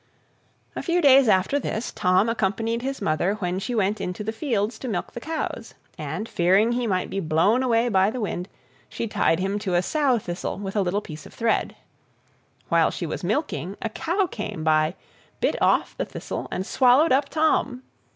A few days after this, Tom accompanied his mother when she went into the fields to milk the cows, and, fearing he might be blown away by the wind, she tied him to a sow thistle with a little piece of thread. While she was milking, a cow came by, bit off the thistle, and swallowed up Tom.